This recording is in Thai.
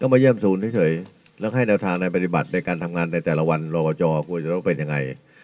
ขอบคุณมากนะครับแล้วอย่าลืมไปสวนมนตร์กันด้วยนะ